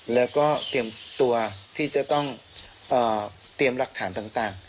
แล้วก็เตรียมตัวที่จะต้องเตรียมหลักฐานต่าง